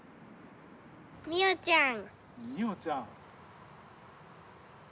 みよちゃん。